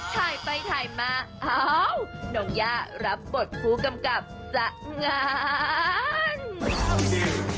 ถ่ายไปถ่ายมาอ้าวน้องย่ารับบทผู้กำกับจากงาน